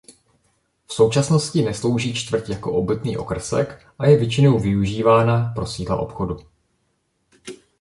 V současnosti neslouží čtvrť jako obytný okrsek a je většinou využívána pro sídla obchodu.